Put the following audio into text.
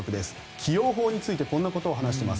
起用法についてこんなことを話しています。